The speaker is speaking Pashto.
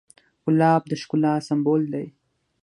ګلاب د ښکلا سمبول دی.